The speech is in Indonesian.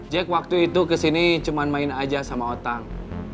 jack waktu itu ke sini cuma main aja sama otang